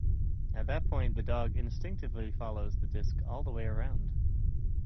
At that point the dog instinctively follows the disc all the way around.